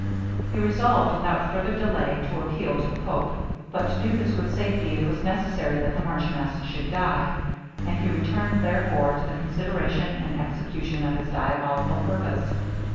He resolved, without further delay, to appeal to the pope; but to do this with safety it was necessary that the marchioness should die; and he returned therefore to the consideration and execution of his diabolical purpose.